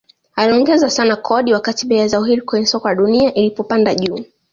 Aliongeza sana kodi wakati bei ya zao hili kwenye soko la dunia ilipopanda juu